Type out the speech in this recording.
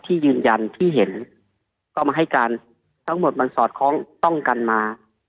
ที่ยืนยันที่เห็นก็มาให้การทั้งหมดมันสอดคล้องต้องกันมา